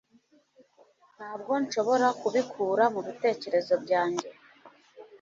Ntabwo nshobora kubikura mubitekerezo byanjye